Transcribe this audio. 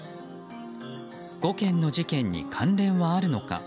５件の事件に関連はあるのか。